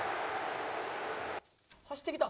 走ってきた！